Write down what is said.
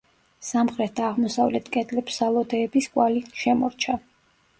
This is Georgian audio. სამხრეთ და აღმოსავლეთ კედლებს სალოდეების კვალი შემორჩა.